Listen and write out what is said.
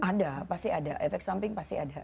ada pasti ada efek samping pasti ada